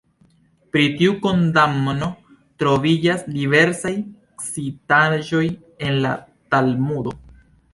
Pri tiu kondamno troviĝas diversaj citaĵoj en la Talmudo.